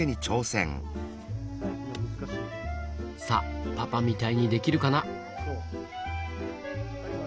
さあパパみたいにできるかな？